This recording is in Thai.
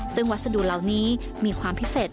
ซึ่งวัสดุเหล่านี้มีความพิเศษ